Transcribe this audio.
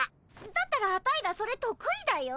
だったらアタイらそれとく意だよ。